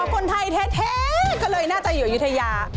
คนไทยแท้ก็เลยน่าจะอยู่อยุธยา